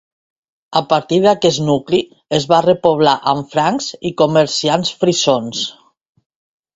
A partir d'aquest nucli es va repoblar amb francs i comerciants frisons.